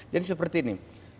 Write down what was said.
jadi seperti ini